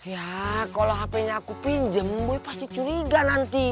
ya kalau hp nya aku pinjam ya pasti curiga nanti